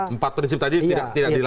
empat prinsip tadi tidak dilakukan